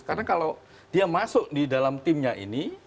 karena kalau dia masuk di dalam timnya ini